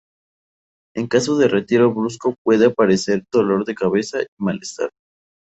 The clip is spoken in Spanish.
En caso de retiro brusco puede aparecer dolor de cabeza y malestar.